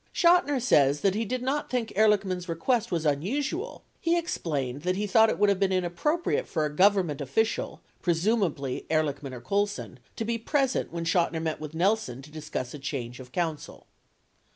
Chotiner says that he did not think Ehrlichman's request was un usual ; he explained that he thought it would have been inappropriate for a Government official (presumably Ehrlichman or Colson) to be present when Chotiner met with Nelson to discuss a change of counsel.